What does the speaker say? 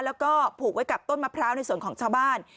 แล้วก็ผูกไว้กับต้นมะพร้าวในส่วนของชาวบ้าน